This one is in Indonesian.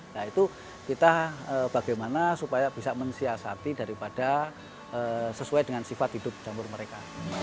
nah itu kita bagaimana supaya bisa mensiasati daripada sesuai dengan sifat hidup campur mereka